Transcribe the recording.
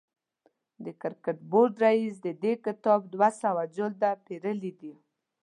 د کرکټ بورډ رئیس د دې کتاب دوه سوه جلده پېرلي دي.